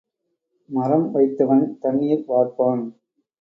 மரம் வைத்தவன் தண்ணீர் வார்ப்பான்.